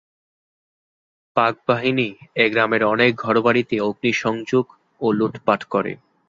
পাকবাহিনী এ গ্রামের অনেক ঘরবাড়িতে অগ্নিসংযোগ ও লুটপাট করে।